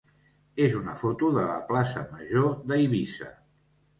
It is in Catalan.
és una foto de la plaça major d'Eivissa.